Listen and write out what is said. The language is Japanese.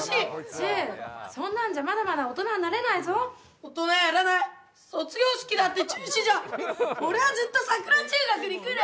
チューそんなんじゃまだまだ大人になれないぞ大人やらない卒業式だって中止じゃん俺はずっと桜中学に来る！